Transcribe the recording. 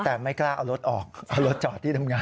แต่ไม่กล้าเอารถออกเอารถจอดที่ทำงาน